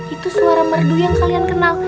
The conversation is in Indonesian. itu suara merdu yang kalian kenal